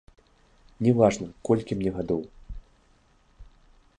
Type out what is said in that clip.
Не важна, колькі мне гадоў.